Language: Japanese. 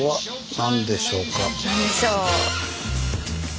何でしょう。